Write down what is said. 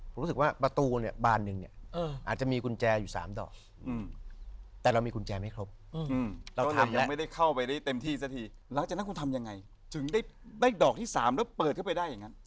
จะเปิดเข้าไปได้อย่างนั้น